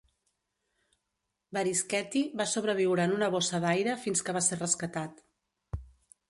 Varischetti va sobreviure en una bossa d'aire fins que va ser rescatat.